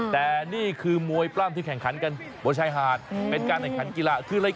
แต่นี่คือมวยปล้ำที่แข่งขันกันบนชายหาดเป็นการแข่งขันกีฬา